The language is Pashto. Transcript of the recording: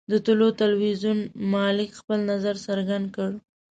د طلوع ټلویزیون مالک خپل نظر څرګند کړ.